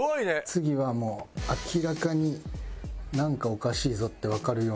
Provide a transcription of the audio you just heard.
次はもう明らかになんかおかしいぞってわかるように。